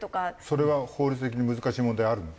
それは法律的に難しい問題あるの？